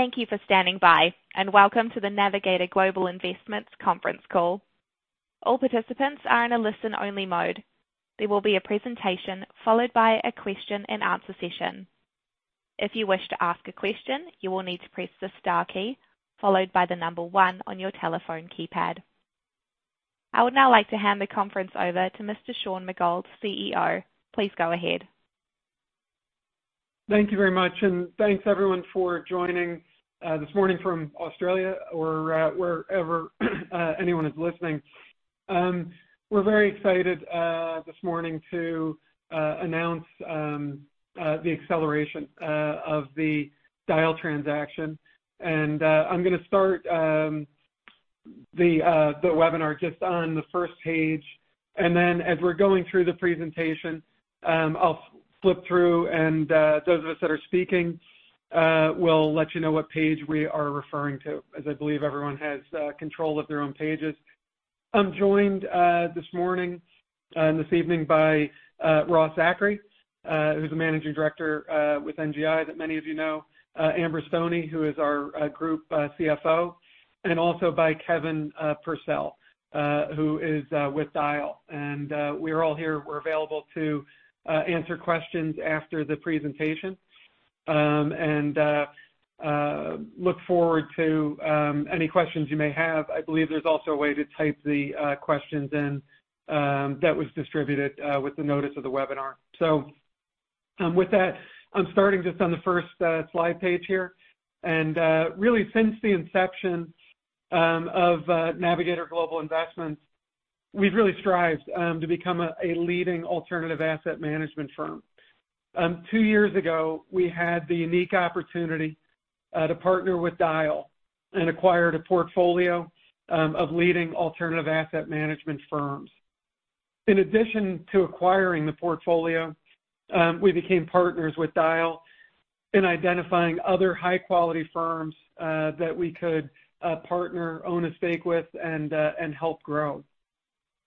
Thank you for standing by, welcome to the Navigator Global Investments conference call. All participants are in a listen-only mode. There will be a presentation followed by a question-and-answer session. If you wish to ask a question, you will need to press the star key followed by one on your telephone keypad. I would now like to hand the conference over to Mr. Sean McGould, CEO. Please go ahead. Thank you very much, thanks everyone for joining this morning from Australia or wherever anyone is listening. We're very excited this morning to announce the acceleration of the Dyal transaction. I'm gonna start the webinar just on the first page, and then as we're going through the presentation, I'll flip through and those of us that are speaking will let you know what page we are referring to, as I believe everyone has control of their own pages. I'm joined this morning, this evening by Ross Zachary, who's the managing director with NGI, that many of you know, Amber Stoney, who is our group CFO, and also by Kevin Purcell, who is with Dyal. We're all here. We're available to answer questions after the presentation. Look forward to any questions you may have. I believe there's also a way to type the questions in that was distributed with the notice of the webinar. With that, I'm starting just on the first slide page here. Really, since the inception of Navigator Global Investments, we've really strived to become a leading alternative asset management firm. Two years ago, we had the unique opportunity to partner with Dyal and acquired a portfolio of leading alternative asset management firms. In addition to acquiring the portfolio, we became partners with Dyal in identifying other high-quality firms that we could partner, own a stake with, and help grow.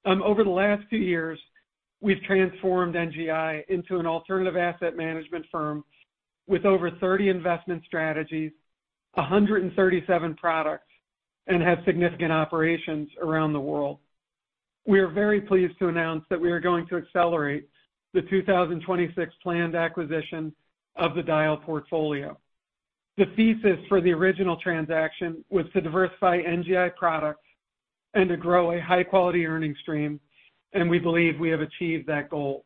Over the last two years, we've transformed NGI into an alternative asset management firm with over 30 investment strategies, 137 products, and have significant operations around the world. We are very pleased to announce that we are going to accelerate the 2026 planned acquisition of the Dyal portfolio. The thesis for the original transaction was to diversify NGI products and to grow a high-quality earning stream, and we believe we have achieved that goal.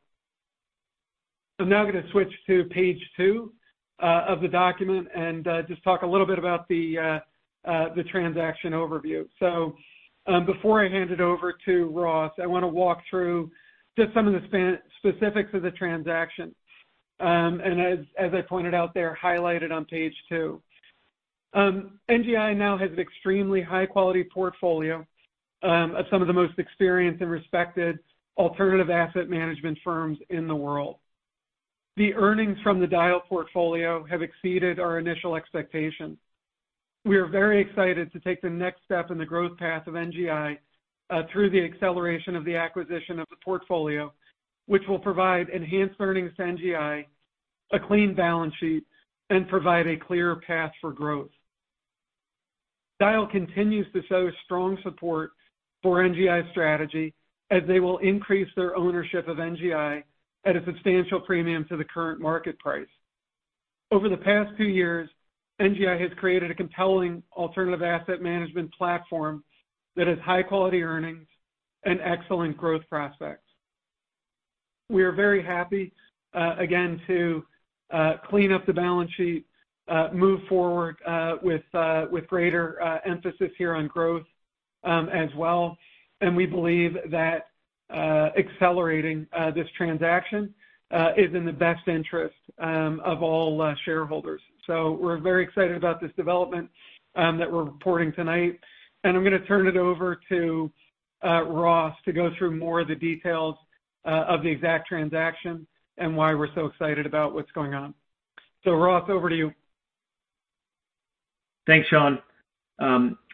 I'm now gonna switch to page 2 of the document and just talk a little bit about the transaction overview. Before I hand it over to Ross, I wanna walk through just some of the specifics of the transaction. As, as I pointed out there, highlighted on page 2. NGI now has an extremely high-quality portfolio of some of the most experienced and respected alternative asset management firms in the world. The earnings from the Dyal portfolio have exceeded our initial expectations. We are very excited to take the next step in the growth path of NGI through the acceleration of the acquisition of the portfolio, which will provide enhanced earnings to NGI, a clean balance sheet, and provide a clear path for growth. Dyal continues to show strong support for NGI strategy, as they will increase their ownership of NGI at a substantial premium to the current market price. Over the past two years, NGI has created a compelling alternative asset management platform that has high-quality earnings and excellent growth prospects. We are very happy again, to clean up the balance sheet, move forward with greater emphasis here on growth as well. We believe that accelerating this transaction is in the best interest of all shareholders. We're very excited about this development that we're reporting tonight. I'm gonna turn it over to Ross to go through more of the details of the exact transaction and why we're so excited about what's going on. Ross, over to you. Thanks, Sean.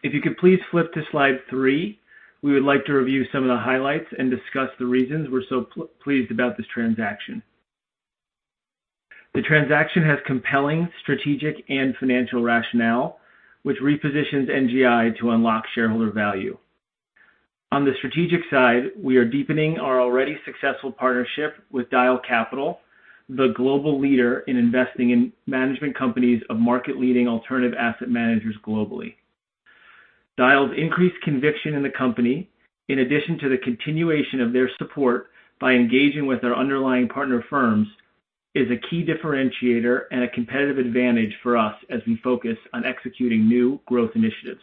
If you could please flip to Slide 3, we would like to review some of the highlights and discuss the reasons we're so pleased about this transaction. The transaction has compelling strategic and financial rationale, which repositions NGI to unlock shareholder value. On the strategic side, we are deepening our already successful partnership with Dyal Capital, the global leader in investing in management companies of market-leading alternative asset managers globally. Dyal's increased conviction in the company, in addition to the continuation of their support by engaging with our underlying partner firms, is a key differentiator and a competitive advantage for us as we focus on executing new growth initiatives.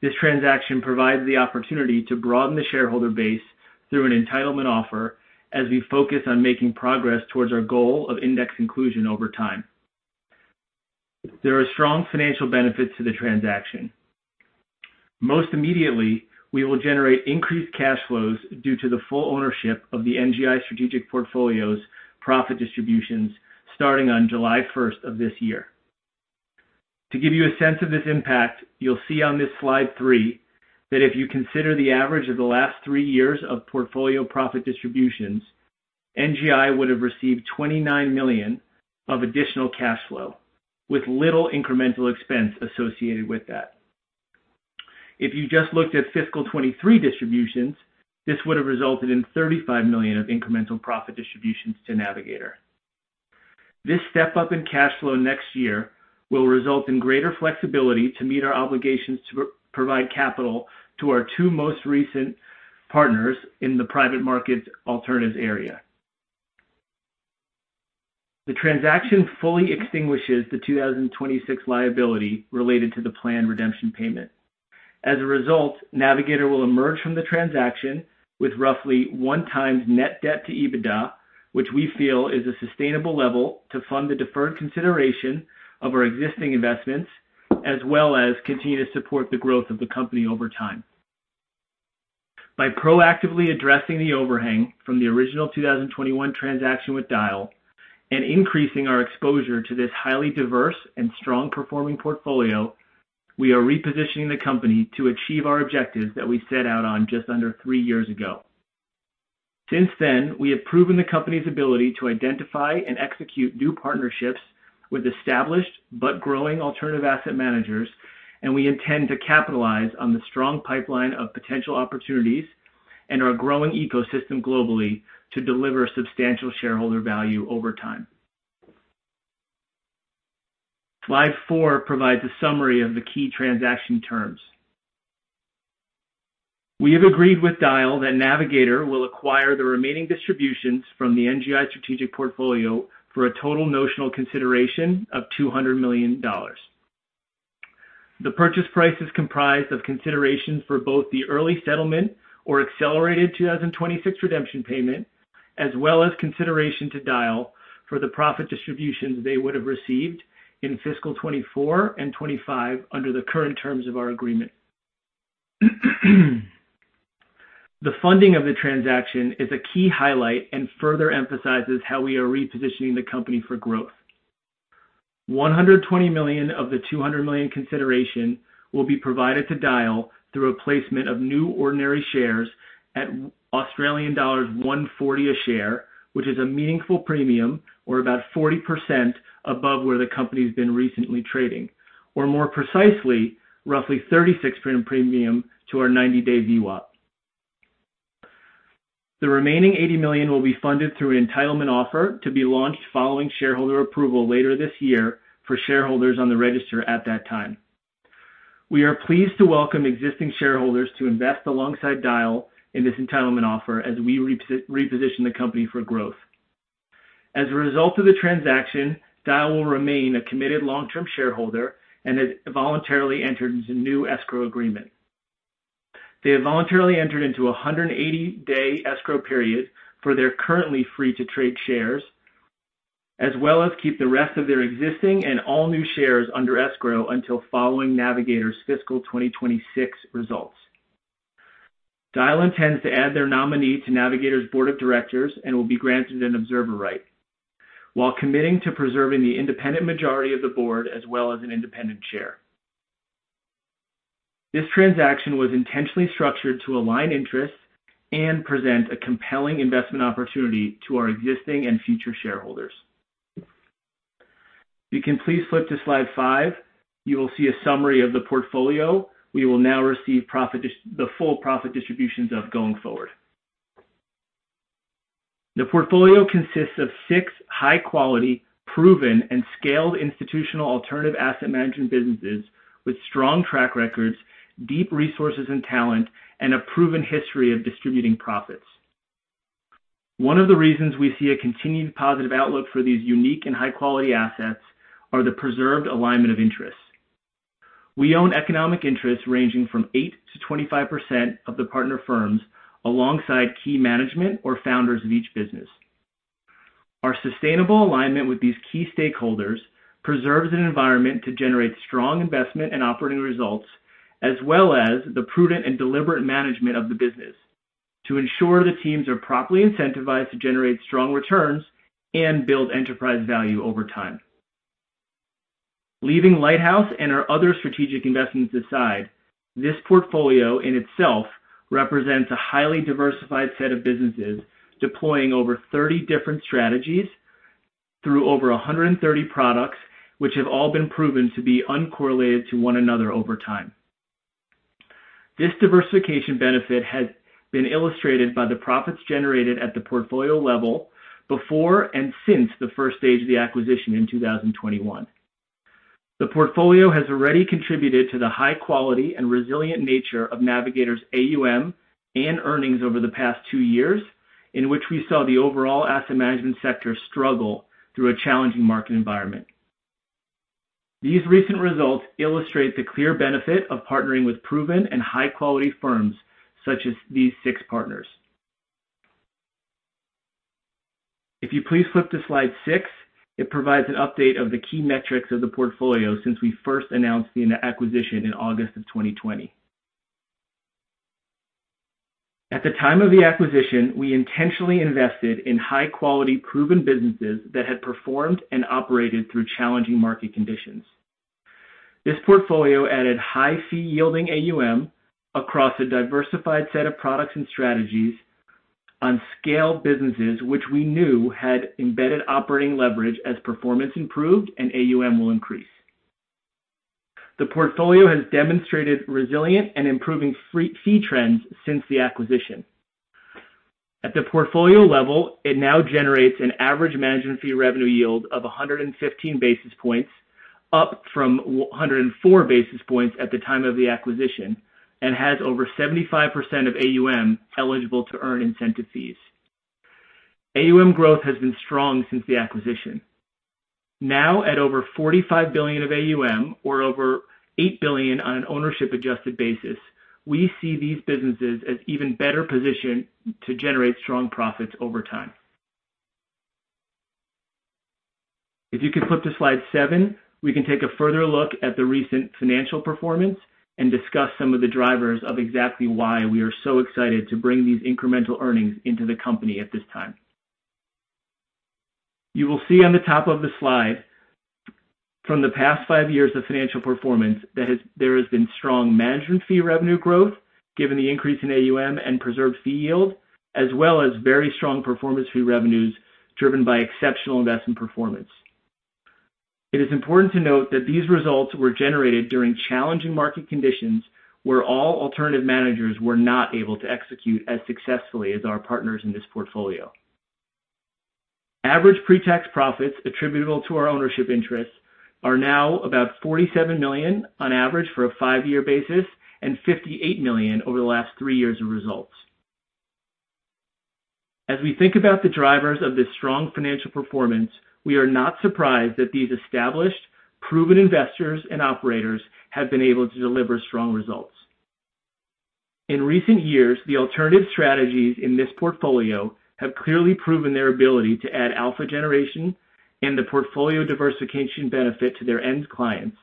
This transaction provides the opportunity to broaden the shareholder base through an entitlement offer as we focus on making progress towards our goal of index inclusion over time. There are strong financial benefits to the transaction. Most immediately, we will generate increased cash flows due to the full ownership of the NGI Strategic Portfolio's profit distributions starting on July 1st of this year. To give you a sense of this impact, you'll see on this Slide 3, that if you consider the average of the last three years of portfolio profit distributions, NGI would have received $29 million of additional cash flow, with little incremental expense associated with that. If you just looked at fiscal 23 distributions, this would have resulted in $35 million of incremental profit distributions to Navigator. This step-up in cash flow next year will result in greater flexibility to meet our obligations to provide capital to our two most recent partners in the private markets alternatives area. The transaction fully extinguishes the 2026 liability related to the planned redemption payment. As a result, Navigator will emerge from the transaction with roughly 1x Net Debt to EBITDA, which we feel is a sustainable level to fund the deferred consideration of our existing investments, as well as continue to support the growth of the company over time. By proactively addressing the overhang from the original 2021 transaction with Dyal and increasing our exposure to this highly diverse and strong performing portfolio, we are repositioning the company to achieve our objectives that we set out on just under three years ago. Since then, we have proven the company's ability to identify and execute new partnerships with established but growing alternative asset managers, and we intend to capitalize on the strong pipeline of potential opportunities and our growing ecosystem globally to deliver substantial shareholder value over time. Slide 4 provides a summary of the key transaction terms. We have agreed with Dyal that Navigator will acquire the remaining distributions from the NGI Strategic Portfolio for a total notional consideration of $200 million. The purchase price is comprised of considerations for both the early settlement or accelerated 2026 redemption payment, as well as consideration to Dyal for the profit distributions they would have received in fiscal 2024 and 2025 under the current terms of our agreement. The funding of the transaction is a key highlight and further emphasizes how we are repositioning the company for growth. $120 million of the $200 million consideration will be provided to Dyal through a placement of new ordinary shares at Australian dollars 1.40 a share, which is a meaningful premium or about 40% above where the company's been recently trading, or more precisely, roughly 36% premium to our ninety-day VWAP. The remaining $80 million will be funded through an entitlement offer to be launched following shareholder approval later this year for shareholders on the register at that time. We are pleased to welcome existing shareholders to invest alongside Dyal in this entitlement offer as we reposition the company for growth. As a result of the transaction, Dyal will remain a committed long-term shareholder and has voluntarily entered into a new escrow agreement. They have voluntarily entered into a 180-day escrow period for their currently free-to-trade shares, as well as keep the rest of their existing and all new shares under escrow until following Navigator's fiscal 2026 results. Dyal intends to add their nominee to Navigator's board of directors and will be granted an observer right, while committing to preserving the independent majority of the board as well as an independent chair. This transaction was intentionally structured to align interests and present a compelling investment opportunity to our existing and future shareholders. You can please flip to Slide 5. You will see a summary of the portfolio. We will now receive the full profit distributions of going forward. The portfolio consists of six high-quality, proven, and scaled institutional alternative asset management businesses with strong track records, deep resources and talent, and a proven history of distributing profits. One of the reasons we see a continued positive outlook for these unique and high-quality assets are the preserved alignment of interests. We own economic interests ranging from 8%-25% of the partner firms, alongside key management or founders of each business. Our sustainable alignment with these key stakeholders preserves an environment to generate strong investment and operating results, as well as the prudent and deliberate management of the business, to ensure the teams are properly incentivized to generate strong returns and build enterprise value over time. Leaving Lighthouse and our other strategic investments aside, this portfolio in itself represents a highly diversified set of businesses, deploying over 30 different strategies through over 130 products, which have all been proven to be uncorrelated to one another over time. This diversification benefit has been illustrated by the profits generated at the portfolio level before and since the first stage of the acquisition in 2021. The portfolio has already contributed to the high quality and resilient nature of Navigator's AUM and earnings over the past two years, in which we saw the overall asset management sector struggle through a challenging market environment. These recent results illustrate the clear benefit of partnering with proven and high-quality firms such as these six partners. If you please flip to Slide 6, it provides an update of the key metrics of the portfolio since we first announced the acquisition in August of 2020. At the time of the acquisition, we intentionally invested in high-quality, proven businesses that had performed and operated through challenging market conditions. This portfolio added high fee-yielding AUM across a diversified set of products and strategies on scaled businesses, which we knew had embedded operating leverage as performance improved and AUM will increase. The portfolio has demonstrated resilient and improving fee trends since the acquisition. At the portfolio level, it now generates an average management fee revenue yield of 115 basis points, up from 104 basis points at the time of the acquisition, and has over 75% of AUM eligible to earn incentive fees. AUM growth has been strong since the acquisition. Now, at over $45 billion of AUM, or over $8 billion on an ownership-adjusted basis, we see these businesses as even better positioned to generate strong profits over time. If you could flip to Slide 7, we can take a further look at the recent financial performance and discuss some of the drivers of exactly why we are so excited to bring these incremental earnings into the company at this time. You will see on the top of the slide, from the past five years of financial performance, there has been strong management fee revenue growth given the increase in AUM and preserved fee yield, as well as very strong performance fee revenues, driven by exceptional investment performance. It is important to note that these results were generated during challenging market conditions, where all alternative managers were not able to execute as successfully as our partners in this portfolio. Average pretax profits attributable to our ownership interests are now about $47 million on average for a five-year basis and $58 million over the last three years of results. As we think about the drivers of this strong financial performance, we are not surprised that these established, proven investors and operators have been able to deliver strong results. In recent years, the alternative strategies in this portfolio have clearly proven their ability to add alpha generation and the portfolio diversification benefit to their end clients.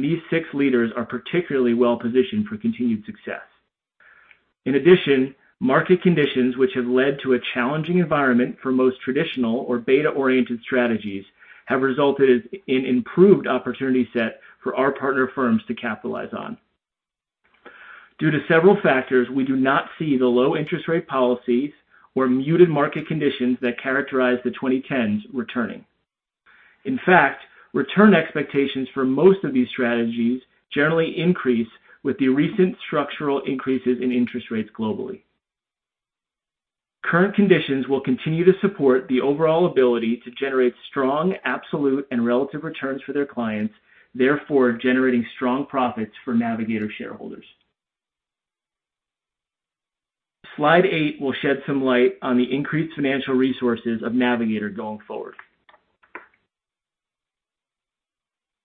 These six leaders are particularly well positioned for continued success. In addition, market conditions, which have led to a challenging environment for most traditional or beta-oriented strategies, have resulted in improved opportunity set for our partner firms to capitalize on. Due to several factors, we do not see the low interest rate policies or muted market conditions that characterized the 2010s returning. Return expectations for most of these strategies generally increase with the recent structural increases in interest rates globally. Current conditions will continue to support the overall ability to generate strong, absolute, and relative returns for their clients, therefore, generating strong profits for Navigator shareholders. Slide 8 will shed some light on the increased financial resources of Navigator going forward.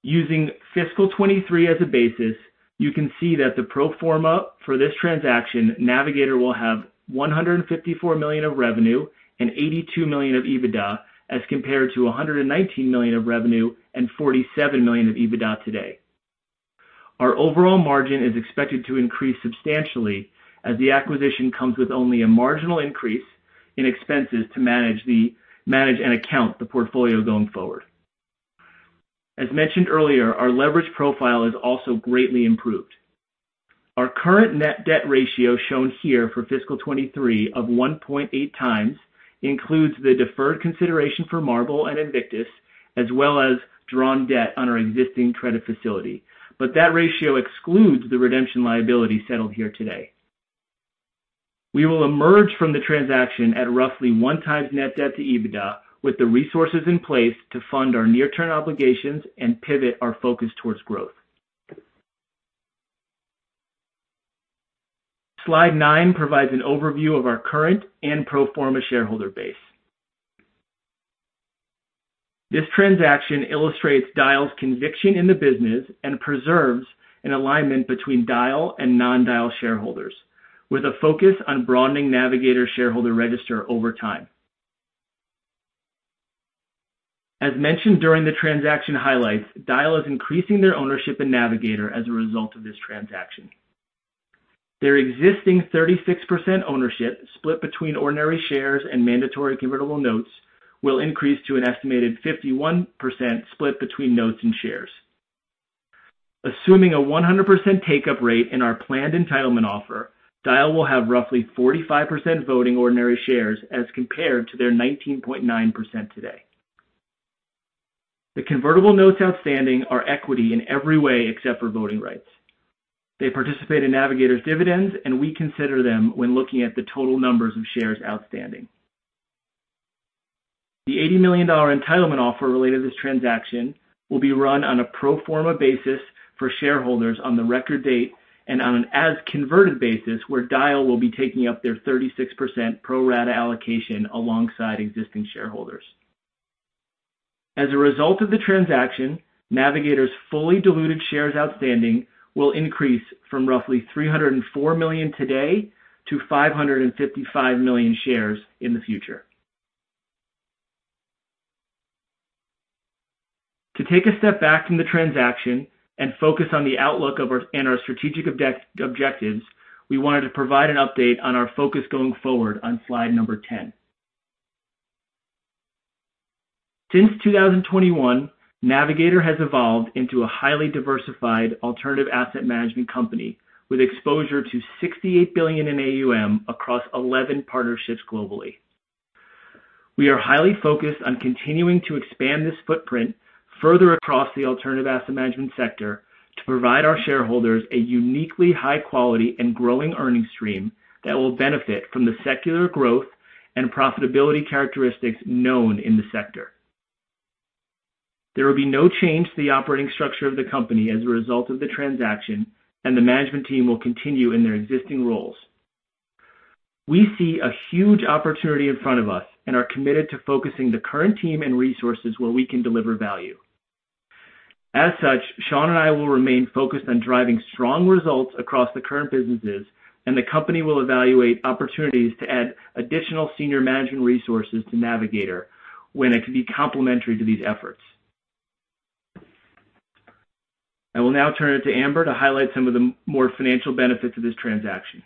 Using FY2023 as a basis, you can see that the pro forma for this transaction, Navigator will have $154 million of revenue and $82 million of EBITDA, as compared to $119 million of revenue and $47 million of EBITDA today. Our overall margin is expected to increase substantially as the acquisition comes with only a marginal increase in expenses to manage and account the portfolio going forward. As mentioned earlier, our leverage profile is also greatly improved. Our current Net Debt to EBITDA ratio, shown here for FY2023 of 1.8x, includes the deferred consideration for Marble Capital and Invictus Capital Partners, as well as drawn debt on our existing credit facility. That ratio excludes the redemption liability settled here today. We will emerge from the transaction at roughly 1x Net Debt to EBITDA, with the resources in place to fund our near-term obligations and pivot our focus towards growth. Slide 9 provides an overview of our current and pro forma shareholder base. This transaction illustrates Dyal's conviction in the business and preserves an alignment between Dyal and non-Dyal shareholders, with a focus on broadening Navigator Global Investments' shareholder register over time. As mentioned during the transaction highlights, Dyal is increasing their ownership in Navigator Global Investments as a result of this transaction. Their existing 36% ownership, split between ordinary shares and mandatory convertible notes, will increase to an estimated 51% split between notes and shares. Assuming a 100% take-up rate in our planned entitlement offer, Dyal will have roughly 45% voting ordinary shares, as compared to their 19.9% today. The convertible notes outstanding are equity in every way, except for voting rights. They participate in Navigator's dividends. We consider them when looking at the total numbers of shares outstanding. The $80 million entitlement offer related to this transaction will be run on a pro forma basis for shareholders on the record date and on an as-converted basis, where Dyal will be taking up their 36% pro rata allocation alongside existing shareholders. As a result of the transaction, Navigator's fully diluted shares outstanding will increase from roughly $304 million today to $555 million shares in the future. To take a step back from the transaction and focus on the outlook of our and our strategic objectives, we wanted to provide an update on our focus going forward on slide Number 10. Since 2021, Navigator has evolved into a highly diversified alternative asset management company with exposure to $68 billion in AUM across 11 partnerships globally. We are highly focused on continuing to expand this footprint further across the alternative asset management sector to provide our shareholders a uniquely high quality and growing earnings stream that will benefit from the secular growth and profitability characteristics known in the sector. There will be no change to the operating structure of the company as a result of the transaction, and the management team will continue in their existing roles. We see a huge opportunity in front of us and are committed to focusing the current team and resources where we can deliver value. As such, Sean and I will remain focused on driving strong results across the current businesses, and the company will evaluate opportunities to add additional senior management resources to Navigator when it can be complementary to these efforts. I will now turn it to Amber to highlight some of the more financial benefits of this transaction.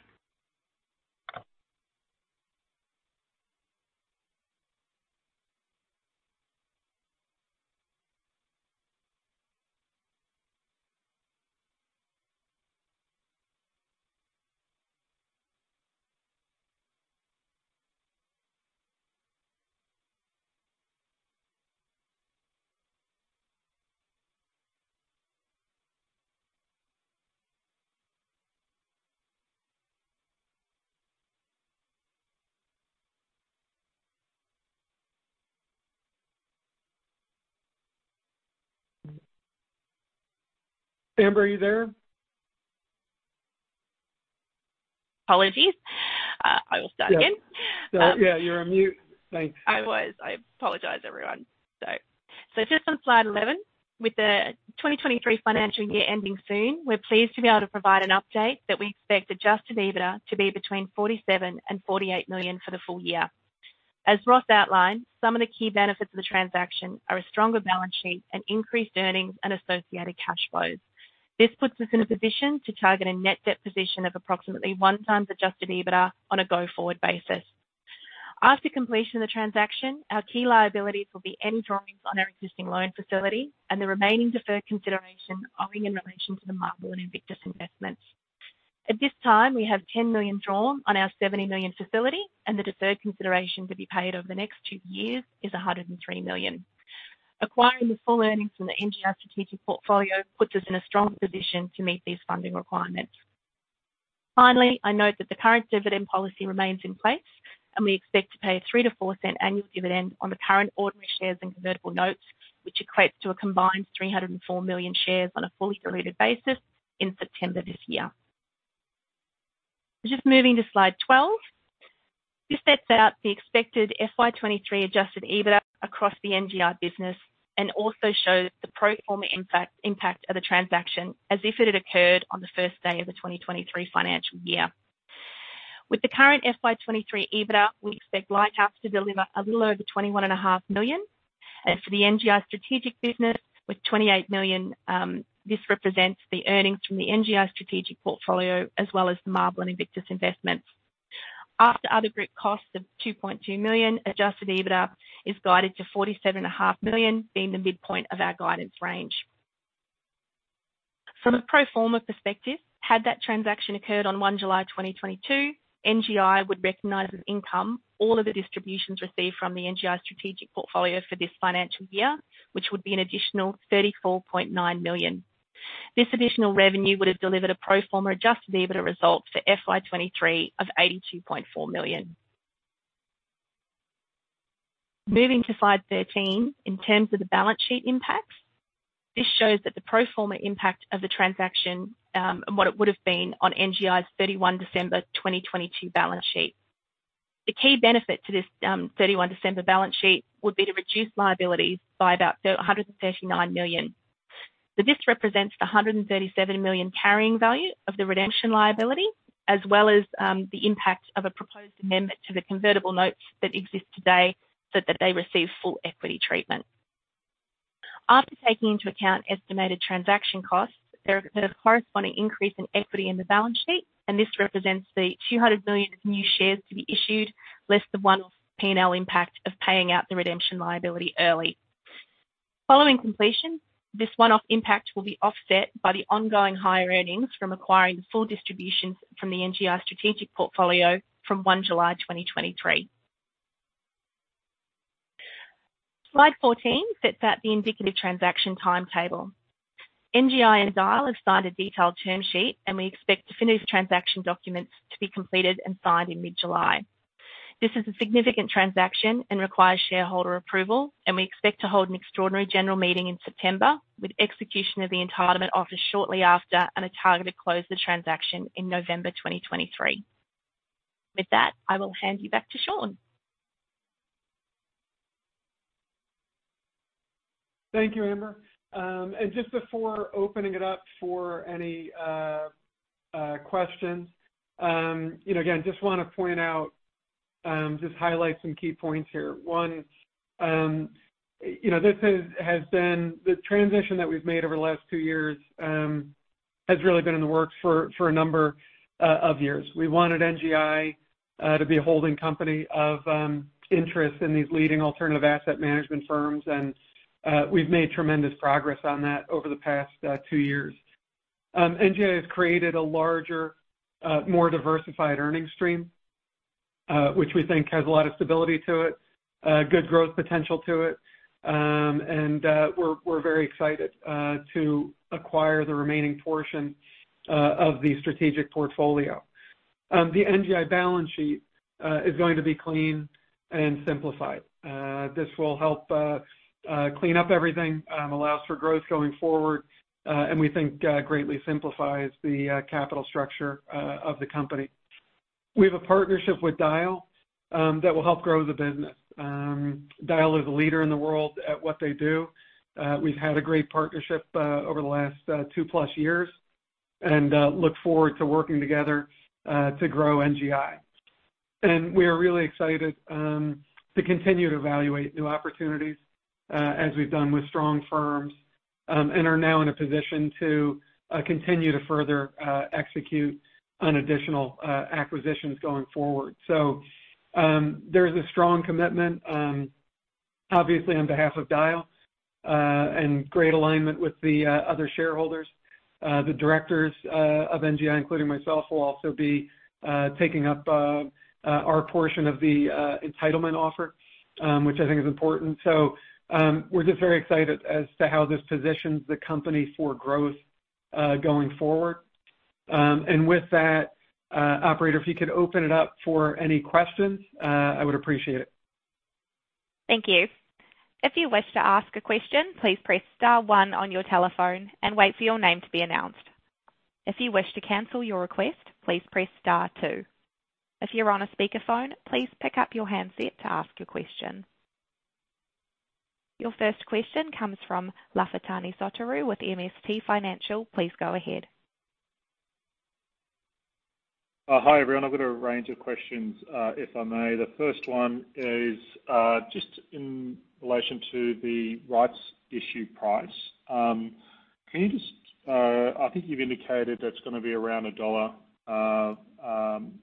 Amber, are you there? Apologies. I will start again. Yeah, you're on mute. Thanks. I was. I apologize, everyone. Just on Slide 11, with the 2023 financial year ending soon, we're pleased to be able to provide an update that we expect adjusted EBITDA to be between $47 million and $48 million for the full year. As Ross outlined, some of the key benefits of the transaction are a stronger balance sheet and increased earnings and associated cash flows. This puts us in a position to target a net debt position of approximately 1x adjusted EBITDA on a go-forward basis. After completion of the transaction, our key liabilities will be any drawings on our existing loan facility and the remaining deferred consideration owing in relation to the Marble and Invictus investments. At this time, we have $10 million drawn on our $70 million facility. The deferred consideration to be paid over the next two years is $103 million. Acquiring the full earnings from the NGI Strategic Portfolio puts us in a strong position to meet these funding requirements. Finally, I note that the current dividend policy remains in place. We expect to pay a $0.03-$0.04 annual dividend on the current ordinary shares and convertible notes, which equates to a combined 304 million shares on a fully diluted basis in September this year. Just moving to Slide 12. This sets out the expected FY2023 adjusted EBITDA across the NGI business and also shows the pro forma impact of the transaction as if it had occurred on the first day of the 2023 financial year. With the current FY2023 EBITDA, we expect Lighthouse to deliver a little over $21.5 million. As for the NGI strategic business, with $28 million, this represents the earnings from the NGI Strategic Portfolio as well as the Marble and Invictus investments. After other group costs of $2.2 million, adjusted EBITDA is guided to $47.5 million, being the midpoint of our guidance range. From a pro forma perspective, had that transaction occurred on July 1, 2022, NGI would recognize as income all of the distributions received from the NGI Strategic Portfolio for this financial year, which would be an additional $34.9 million. This additional revenue would have delivered a pro forma adjusted EBITDA result for FY2023 of $82.4 million. Moving to Slide 13, in terms of the balance sheet impacts, this shows that the pro forma impact of the transaction, and what it would have been on NGI's 31 December 2022 balance sheet. The key benefit to this 31 December balance sheet would be to reduce liabilities by about $139 million. This represents the $137 million carrying value of the redemption liability, as well as the impact of a proposed amendment to the convertible notes that exist today, so that they receive full equity treatment. After taking into account estimated transaction costs, there is a corresponding increase in equity in the balance sheet. This represents the $200 million new shares to be issued, less the one P&L impact of paying out the redemption liability early. Following completion, this one-off impact will be offset by the ongoing higher earnings from acquiring the full distributions from the NGI Strategic Portfolio from July 1, 2023. Slide 14 sets out the indicative transaction timetable. NGI and Dyal have signed a detailed term sheet. We expect to finish transaction documents to be completed and signed in mid-July. This is a significant transaction and requires shareholder approval. We expect to hold an extraordinary general meeting in September, with execution of the entitlement offer shortly after and a target to close the transaction in November 2023. With that, I will hand you back to Sean. Thank you, Amber. Just before opening it up for any questions, you know, again, just want to point out. Just highlight some key points here. One, you know, this has been the transition that we've made over the last two years, has really been in the works for a number of years. We wanted NGI to be a holding company of interest in these leading alternative asset management firms, we've made tremendous progress on that over the past two years. NGI has created a larger, more diversified earnings stream, which we think has a lot of stability to it, good growth potential to it. We're very excited to acquire the remaining portion of the strategic portfolio. The NGI balance sheet is going to be clean and simplified. This will help clean up everything, allows for growth going forward, and we think greatly simplifies the capital structure of the company. We have a partnership with Dyal that will help grow the business. Dyal is a leader in the world at what they do. We've had a great partnership over the last 2+ years, and look forward to working together to grow NGI. We are really excited to continue to evaluate new opportunities as we've done with strong firms, and are now in a position to continue to further execute on additional acquisitions going forward. There's a strong commitment, obviously, on behalf of Dyal, and great alignment with the other shareholders. The directors of NGI, including myself, will also be taking up our portion of the entitlement offer, which I think is important. We're just very excited as to how this positions the company for growth going forward. With that, operator, if you could open it up for any questions, I would appreciate it. Thank you. If you wish to ask a question, please press star one on your telephone and wait for your name to be announced. If you wish to cancel your request, please press star two. If you're on a speakerphone, please pick up your handset to ask your question. Your first question comes from Lafitani Sotiriou with MST Financial. Please go ahead. Hi, everyone. I've got a range of questions, if I may. The first one is just in relation to the rights issue price. Can you just, I think you've indicated that's going to be around a $1, $1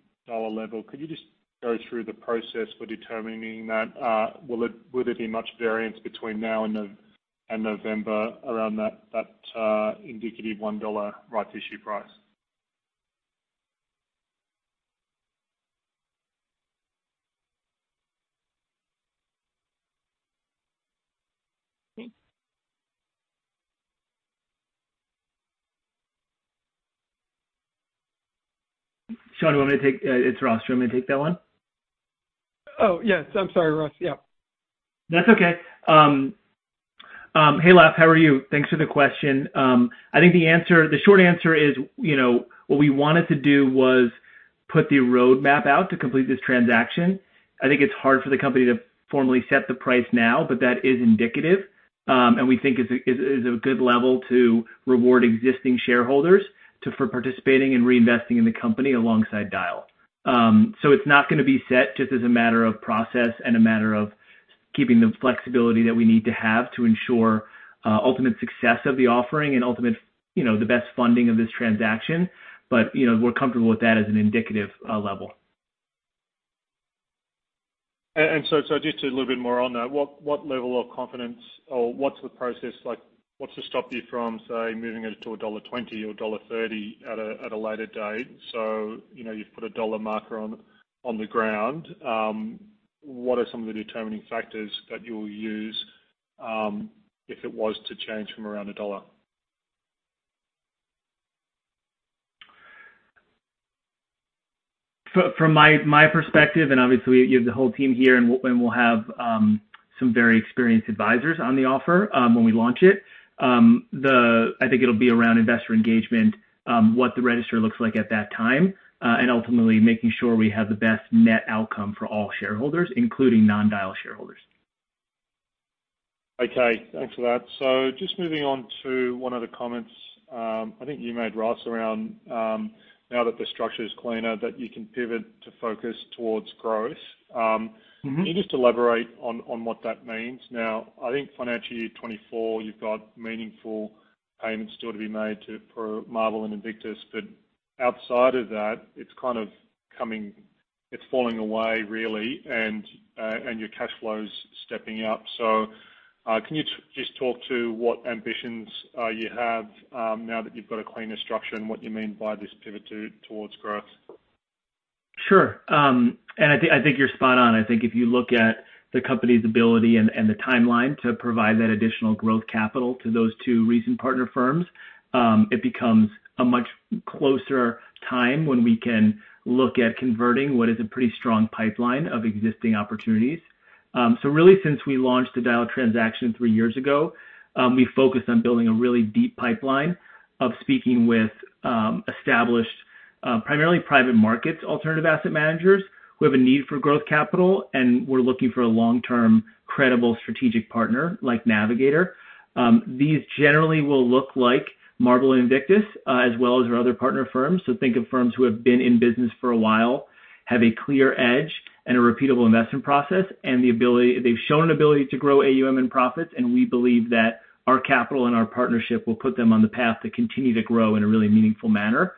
level. Could you just go through the process for determining that? Will there be much variance between now and November around that indicative $1 right issue price? Sean, It's Ross. Do you want me to take that one? Oh, yes. I'm sorry, Ross. Yeah. That's okay. Hey, Laf, how are you? Thanks for the question. I think the answer, the short answer is, you know, what we wanted to do was put the roadmap out to complete this transaction. I think it's hard for the company to formally set the price now, but that is indicative, and we think is a good level to reward existing shareholders for participating and reinvesting in the company alongside Dyal. It's not gonna be set just as a matter of process and a matter of keeping the flexibility that we need to have to ensure ultimate success of the offering and ultimate, you know, the best funding of this transaction. You know, we're comfortable with that as an indicative level. Just a little bit more on that. What level of confidence or what's the process like? What's to stop you from, say, moving it to $1.20 or $1.30 at a later date? You know, you've put a dollar marker on the ground. What are some of the determining factors that you'll use if it was to change from around a dollar? From my perspective, and obviously you have the whole team here, and we'll have some very experienced advisors on the offer when we launch it. I think it'll be around investor engagement, what the register looks like at that time, and ultimately making sure we have the best net outcome for all shareholders, including non-Dyal shareholders. Okay, thanks for that. Just moving on to one of the comments, I think you made, Ross, around, now that the structure is cleaner, that you can pivot to focus towards growth. Mm-hmm. Can you just elaborate on what that means? Now, I think FY2024, you've got meaningful payments still to be made for Marble and Invictus, but outside of that, it's kind of falling away, really, and your cash flow is stepping up. Can you just talk to what ambitions you have now that you've got a cleaner structure and what you mean by this pivot towards growth? Sure. I think, I think you're spot on. I think if you look at the company's ability and the timeline to provide that additional growth capital to those two recent partner firms, it becomes a much closer time when we can look at converting what is a pretty strong pipeline of existing opportunities. Really, since we launched the Dyal transaction three years ago, we focused on building a really deep pipeline of speaking with, primarily private markets, alternative asset managers, who have a need for growth capital, and we're looking for a long-term, credible strategic partner like Navigator. These generally will look like Marble and Invictus, as well as our other partner firms. Think of firms who have been in business for a while, have a clear edge and a repeatable investment process, and they've shown an ability to grow AUM and profits, and we believe that our capital and our partnership will put them on the path to continue to grow in a really meaningful manner.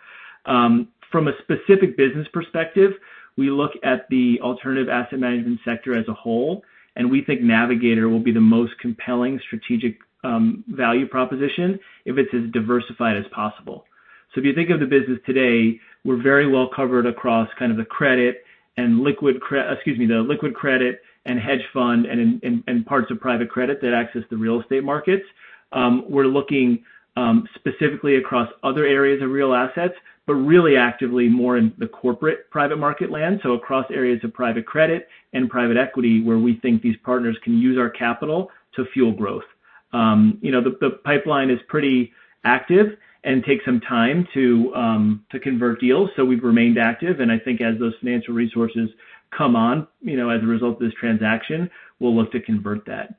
From a specific business perspective, we look at the alternative asset management sector as a whole, and we think Navigator will be the most compelling strategic value proposition if it's as diversified as possible. If you think of the business today, we're very well covered across kind of the credit and liquid, excuse me, the liquid credit and hedge fund and parts of private credit that access the real estate markets. We're looking specifically across other areas of real assets, but really actively more in the corporate private market land, so across areas of private credit and private equity, where we think these partners can use our capital to fuel growth. You know, the pipeline is pretty active and takes some time to convert deals, so we've remained active. I think as those financial resources come on, you know, as a result of this transaction, we'll look to convert that.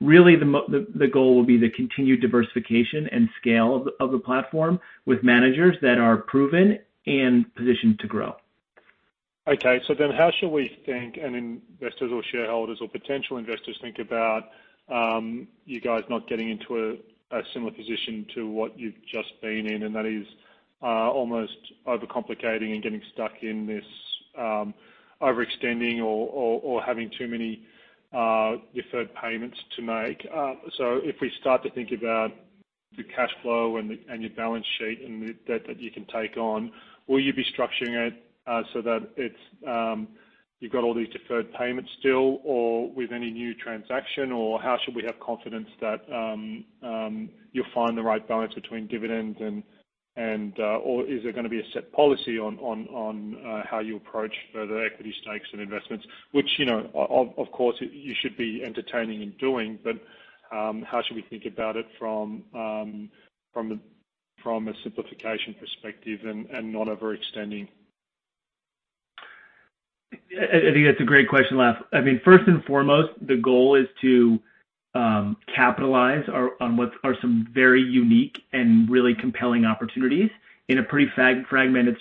Really, the goal will be the continued diversification and scale of the platform with managers that are proven and positioned to grow. How should we think, and investors or shareholders or potential investors think about, you guys not getting into a similar position to what you've just been in? That is, almost overcomplicating and getting stuck in this overextending or having too many deferred payments to make. If we start to think about the cash flow and your balance sheet that you can take on, will you be structuring it so that it's, you've got all these deferred payments still, or with any new transaction? How should we have confidence that you'll find the right balance between dividends and? Is there gonna be a set policy on how you approach further equity stakes and investments? You know, of course, you should be entertaining and doing, but, how should we think about it from a simplification perspective and not overextending? I think that's a great question, Laf. I mean, first and foremost, the goal is to capitalize on what are some very unique and really compelling opportunities in a pretty fragmented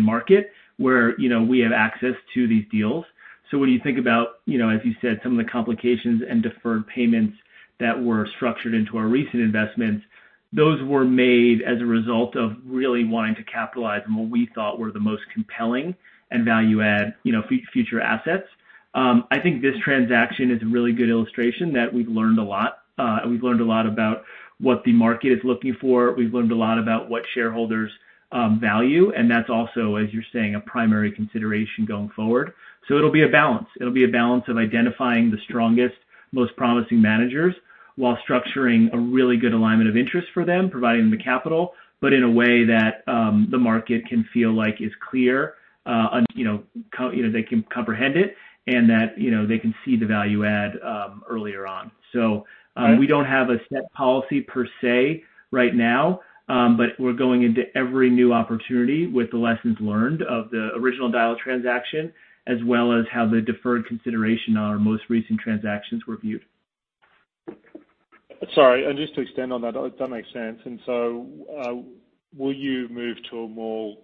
market, where, you know, we have access to these deals. When you think about, you know, as you said, some of the complications and deferred payments that were structured into our recent investments, those were made as a result of really wanting to capitalize on what we thought were the most compelling and value add, you know, future assets. I think this transaction is a really good illustration that we've learned a lot, and we've learned a lot about what the market is looking for. We've learned a lot about what shareholders value, and that's also, as you're saying, a primary consideration going forward. It'll be a balance. It'll be a balance of identifying the strongest, most promising managers, while structuring a really good alignment of interest for them, providing the capital, but in a way that the market can feel like is clear, you know, they can comprehend it, and that, you know, they can see the value add earlier on. Right. We don't have a set policy per se right now, we're going into every new opportunity with the lessons learned of the original Dyal transaction, as well as how the deferred consideration on our most recent transactions were viewed. Sorry, just to extend on that makes sense. Will you move to a more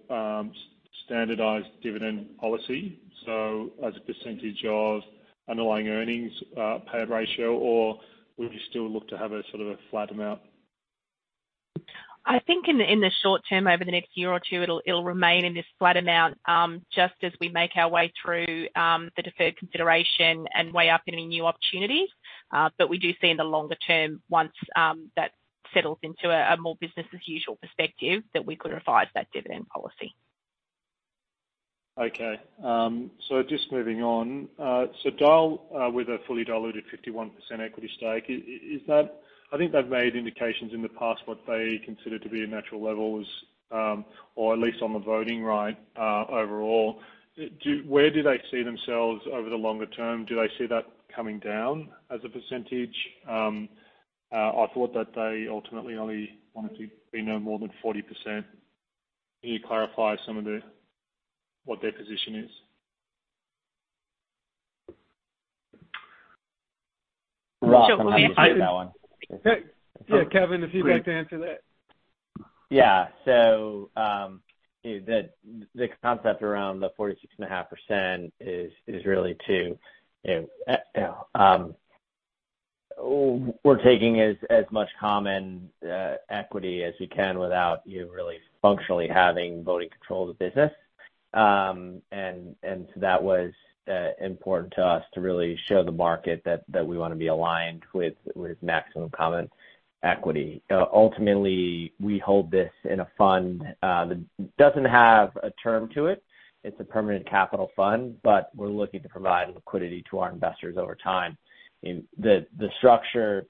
standardized dividend policy, so as a percentage of underlying earnings, payout ratio, or will you still look to have a sort of a flat amount? I think in the short term, over the next year or two, it'll remain in this flat amount, just as we make our way through the deferred consideration and weigh up any new opportunities. We do see in the longer term, once that settles into a more business as usual perspective, that we could revise that dividend policy. Okay. Just moving on. Dyal, with a fully diluted 51% equity stake, I think they've made indications in the past what they consider to be a natural level is, or at least on the voting right, overall. Where do they see themselves over the longer term? Do they see that coming down as a percentage? I thought that they ultimately only wanted to be no more than 40%. Can you clarify some of the, what their position is? Dyal, want to take that one? Hey, yeah, Kevin, if you'd like to answer that. Yeah. you know, the concept around the 46.5% is really to, you know, we're taking as much common equity as we can without you really functionally having voting control of the business. That was important to us to really show the market that we wanna be aligned with maximum common equity. Ultimately, we hold this in a fund that doesn't have a term to it. It's a permanent capital fund, but we're looking to provide liquidity to our investors over time. The structure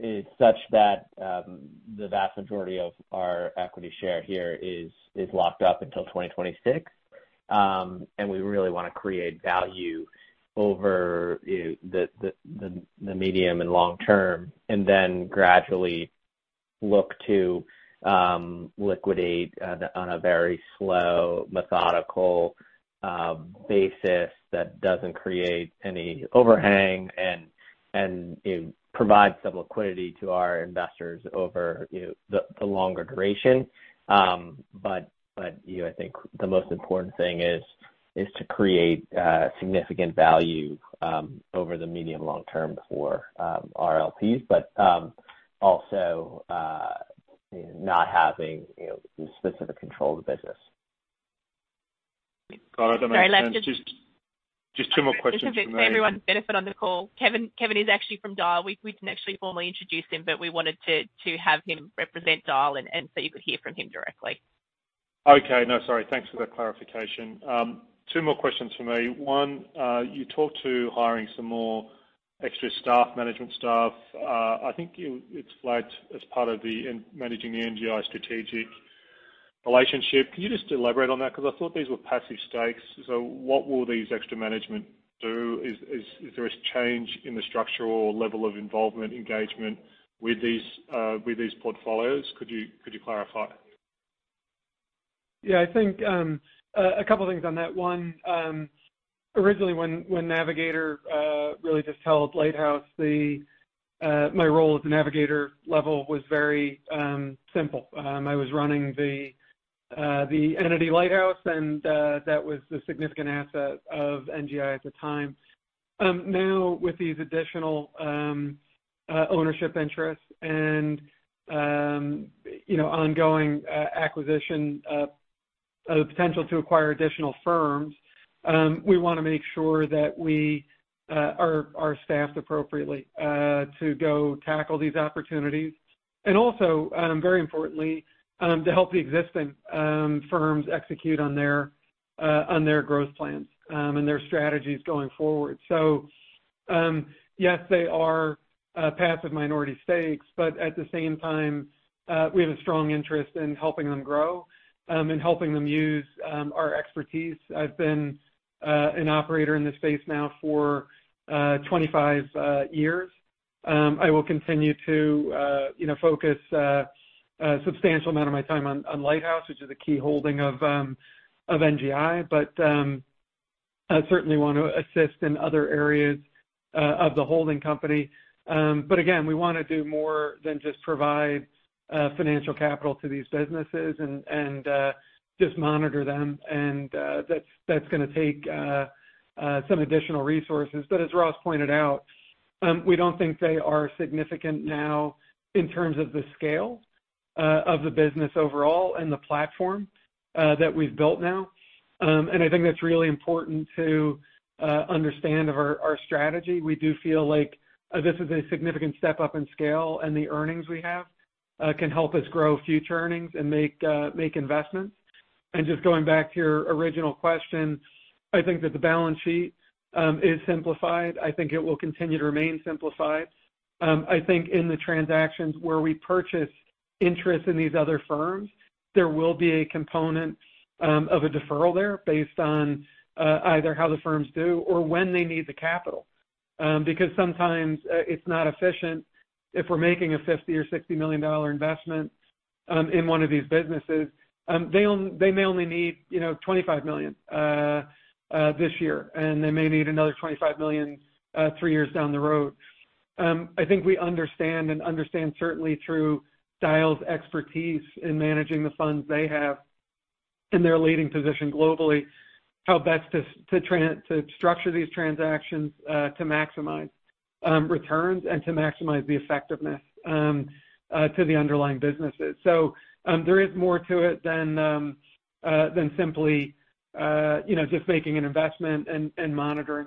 is such that the vast majority of our equity share here is locked up until 2026. and we really want to create value over the medium and long term, and then gradually look to liquidate on a very slow, methodical basis that doesn't create any overhang and it provides some liquidity to our investors over, you know, the longer duration. You know, I think the most important thing is to create significant value over the medium, long term for our LPs, but also not having, you know, specific control of the business. Just two more questions from me. Everyone benefit on the call. Kevin is actually from Dyal. We didn't actually formally introduce him, but we wanted to have him represent Dyal and so you could hear from him directly. Okay. No, sorry. Thanks for that clarification. Two more questions from me. One, you talked to hiring some more extra staff, management staff. I think you, it's flagged as part of the managing the NGI strategic relationship. Can you just elaborate on that? I thought these were passive stakes. What will these extra management do? Is there a change in the structural or level of involvement, engagement with these portfolios? Could you clarify? Yeah, I think, a couple of things on that. One, originally, when Navigator really just held Lighthouse, my role as a Navigator level was very simple. I was running the entity, Lighthouse, and that was the significant asset of NGI at the time. Now, with these additional ownership interests and, you know, ongoing acquisition, the potential to acquire additional firms, we want to make sure that we are staffed appropriately to go tackle these opportunities. Also, very importantly, to help the existing firms execute on their growth plans and their strategies going forward. Yes, they are passive minority stakes, but at the same time, we have a strong interest in helping them grow and helping them use our expertise. I've been an operator in this space now for 25 years. I will continue to, you know, focus a substantial amount of my time on Lighthouse, which is a key holding of NGI, but I certainly want to assist in other areas of the holding company. But again, we want to do more than just provide financial capital to these businesses and just monitor them. That's going to take some additional resources. As Ross pointed out, we don't think they are significant now in terms of the scale of the business overall and the platform that we've built now. I think that's really important to understand of our strategy. We do feel like this is a significant step up in scale, and the earnings we have can help us grow future earnings and make investments. Just going back to your original question, I think that the balance sheet is simplified. I think it will continue to remain simplified. I think in the transactions where we purchase interest in these other firms, there will be a component of a deferral there based on either how the firms do or when they need the capital. Because sometimes it's not efficient if we're making a $50 million or $60 million investment in one of these businesses, they may only need, you know, $25 million this year, and they may need another $25 million three years down the road. I think we understand and understand certainly through Dyal's expertise in managing the funds they have in their leading position globally, how best to structure these transactions to maximize returns and to maximize the effectiveness to the underlying businesses. There is more to it than simply, you know, just making an investment and monitoring.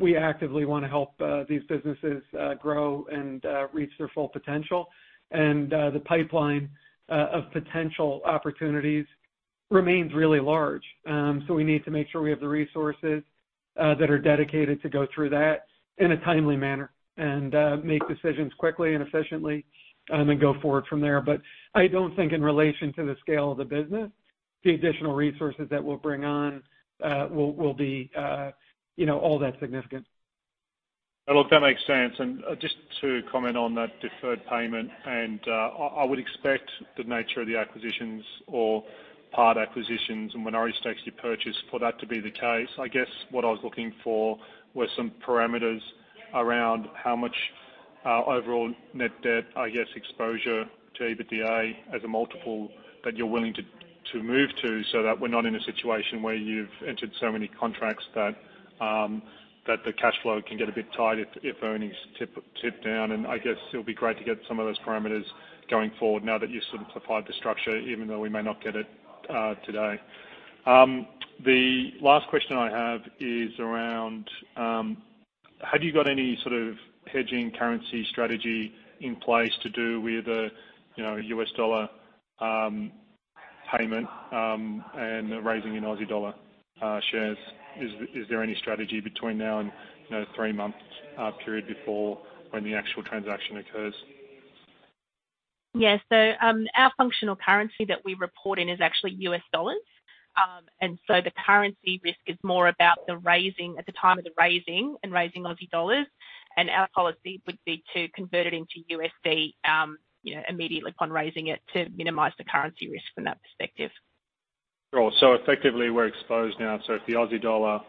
We actively want to help these businesses grow and reach their full potential. The pipeline of potential opportunities remains really large. We need to make sure we have the resources that are dedicated to go through that in a timely manner and make decisions quickly and efficiently and go forward from there. I don't think in relation to the scale of the business, the additional resources that we'll bring on will be, you know, all that significant. Look, that makes sense. Just to comment on that deferred payment, I would expect the nature of the acquisitions or part acquisitions and minority stakes you purchase for that to be the case. I guess what I was looking for were some parameters around how much overall Net Debt, I guess, exposure to EBITDA as a multiple that you're willing to move to, so that we're not in a situation where you've entered so many contracts that the cash flow can get a bit tight if earnings tip down. I guess it'll be great to get some of those parameters going forward now that you've simplified the structure, even though we may not get it today. The last question I have is around, have you got any sort of hedging currency strategy in place to do with, you know, US dollar payment, and raising in Aussie dollar shares? Is there any strategy between now and, you know, three months period before when the actual transaction occurs? Our functional currency that we report in is actually US dollars. The currency risk is more about the raising, at the time of the raising and raising Aussie dollars, and our policy would be to convert it into USD, you know, immediately upon raising it to minimize the currency risk from that perspective. Sure. Effectively, we're exposed now. If the Aussie dollar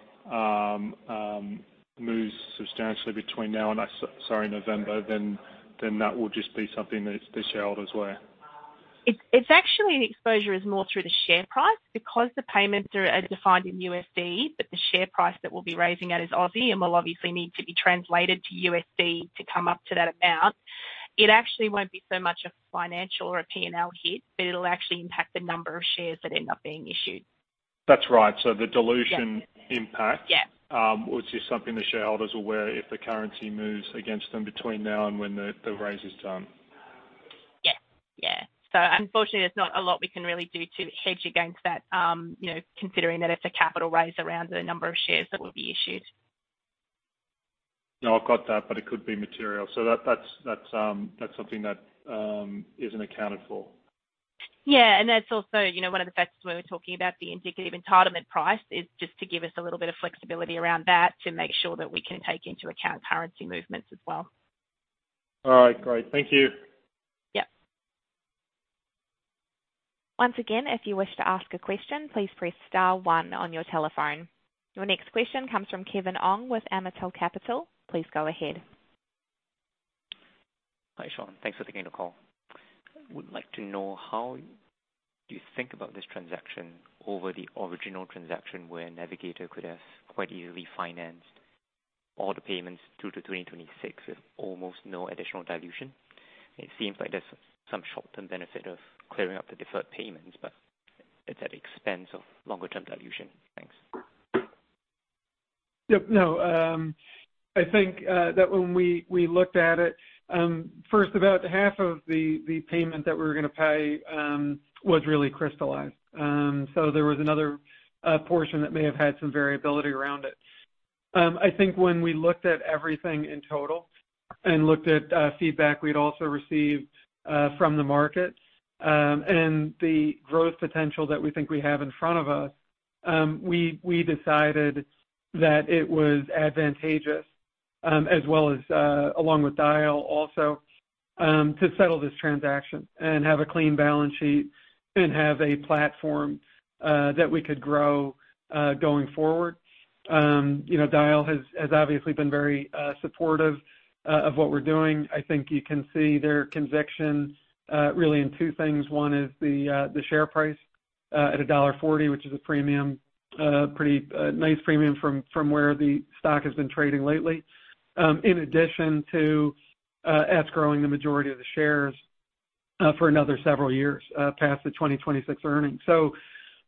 moves substantially between now and sorry, November, then that will just be something that the shareholders wear. It's actually the exposure is more through the share price because the payments are defined in USD, but the share price that we'll be raising at is AUD and will obviously need to be translated to USD to come up to that amount. It actually won't be so much a financial or a PNL hit, but it'll actually impact the number of shares that end up being issued. That's right. the dilution. Yeah. Impact. Yeah. Which is something the shareholders are aware if the currency moves against them between now and when the raise is done. Yeah. Yeah. Unfortunately, there's not a lot we can really do to hedge against that, you know, considering that it's a capital raise around the number of shares that will be issued. I've got that, but it could be material. That's something that isn't accounted for. Yeah, that's also, you know, one of the factors when we're talking about the indicative entitlement price is just to give us a little bit of flexibility around that, to make sure that we can take into account currency movements as well. All right, great. Thank you. Yep. Once again, if you wish to ask a question, please press star one on your telephone. Your next question comes from Kevin Ong with Ord Minnett. Please go ahead. Hi, Sean. Thanks for taking the call. Would like to know, how do you think about this transaction over the original transaction, where Navigator could have quite easily financed all the payments through to 2026 with almost no additional dilution? It seems like there's some short-term benefit of clearing up the deferred payments, but it's at the expense of longer-term dilution. Thanks. Yep. No, I think that when we looked at it, first, about half of the payment that we were going to pay was really crystallized. There was another portion that may have had some variability around it. I think when we looked at everything in total and looked at feedback we'd also received from the markets and the growth potential that we think we have in front of us, we decided that it was advantageous as well as along with Dyal also to settle this transaction and have a clean balance sheet and have a platform that we could grow going forward. You know, Dyal has obviously been very supportive of what we're doing. I think you can see their conviction really in two things. One is the share price at $1.40, which is a premium, pretty nice premium from where the stock has been trading lately. In addition to us growing the majority of the shares for another several years past the 2026 earnings.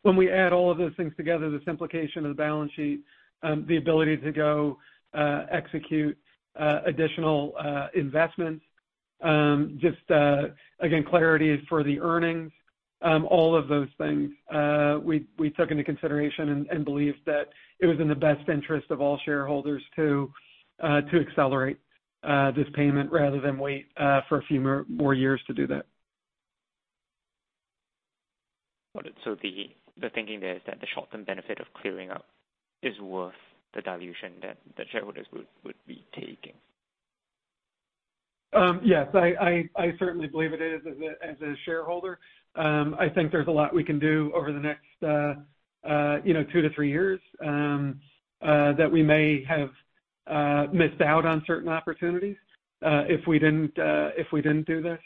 When we add all of those things together, the simplification of the balance sheet, the ability to go execute additional investments, just again, clarity for the earnings. All of those things we took into consideration and believed that it was in the best interest of all shareholders to accelerate this payment rather than wait for a few more years to do that. Got it. The thinking there is that the short-term benefit of clearing up is worth the dilution that the shareholders would be taking? Yes, I certainly believe it is as a shareholder. I think there's a lot we can do over the next, you know, 2-3 years, that we may have missed out on certain opportunities, if we didn't do this.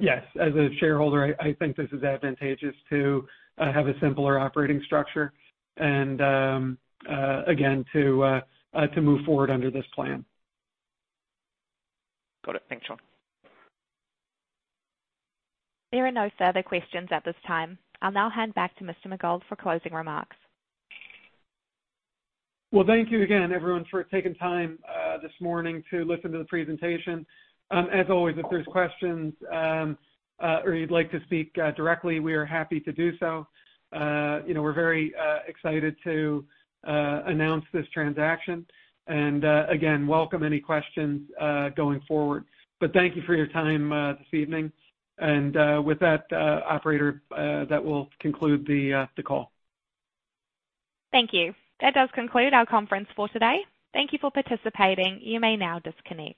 Yes, as a shareholder, I think this is advantageous to have a simpler operating structure and again, to move forward under this plan. Got it. Thanks, Sean. There are no further questions at this time. I'll now hand back to Mr. McGould for closing remarks. Well, thank you again, everyone, for taking time this morning to listen to the presentation. As always, if there's questions, or you'd like to speak directly, we are happy to do so. You know, we're very excited to announce this transaction and again, welcome any questions going forward. Thank you for your time this evening, and with that, operator, that will conclude the call. Thank you. That does conclude our conference for today. Thank you for participating. You may now disconnect.